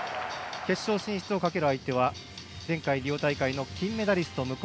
決勝進出をかける相手は前回、リオ大会の金メダリスト